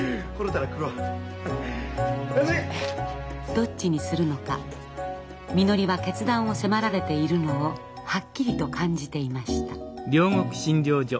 どっちにするのかみのりは決断を迫られているのをはっきりと感じていました。